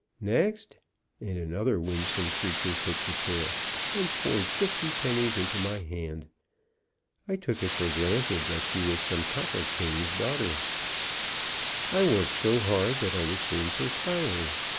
"Next," and another winsome creature took the chair, and poured fifty pennies into my hand. I took it for granted that she was some copper king's daughter. I worked so hard that I was soon perspiring.